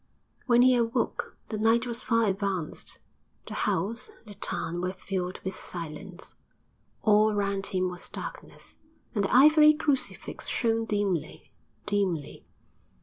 When he awoke, the night was far advanced; the house, the town were filled with silence; all round him was darkness, and the ivory crucifix shone dimly, dimly.